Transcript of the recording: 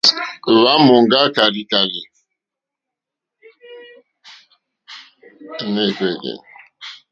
Hwá mɔ̀ŋgá kàrzìkàrzì.